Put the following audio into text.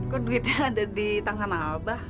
kok duitnya ada di tangan abah